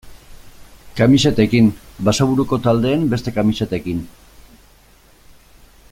Kamisetekin, Basaburuko taldeen beste kamisetekin...